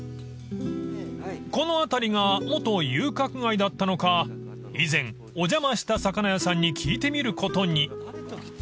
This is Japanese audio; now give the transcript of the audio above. ［この辺りが元遊郭街だったのか以前お邪魔した魚屋さんに聞いてみることに］